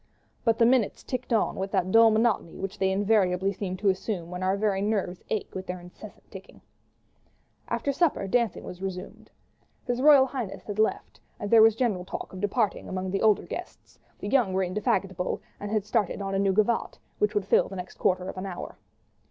But the minutes ticked on with that dull monotony which they invariably seem to assume when our very nerves ache with their incessant ticking. After supper, dancing was resumed. His Royal Highness had left, and there was general talk of departing among the older guests; the young ones were indefatigable and had started on a new gavotte, which would fill the next quarter of an hour.